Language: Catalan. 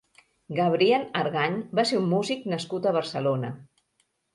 Gabriel Argany va ser un músic nascut a Barcelona.